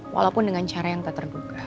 walaupun dengan cara yang tak terduga